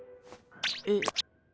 えっ？